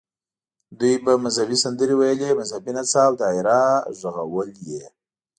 دوی به مذهبي سندرې ویلې، مذهبي نڅا او دایره غږول یې.